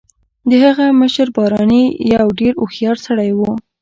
د هغه مشر بارني یو ډیر هوښیار سړی دی